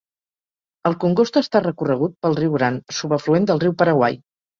El congost està recorregut pel riu Gran, subafluent del riu Paraguai.